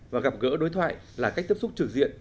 và gặp gỡ đối thoại là cách tiếp xúc trực diện